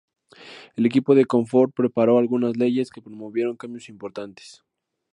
El equipo de Comonfort preparó algunas leyes que promovieron cambios importantes.